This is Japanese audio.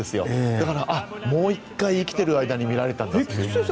だから、もう１回生きている間に見られたんだって。